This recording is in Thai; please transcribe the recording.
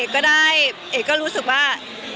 ก็ได้เอกก็รู้สึกว่า